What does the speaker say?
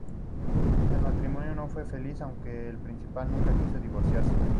El matrimonio no fue feliz, aunque el príncipe nunca quiso divorciarse.